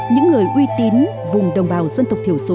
những người uy tín vùng đồng bào dân tộc thiểu số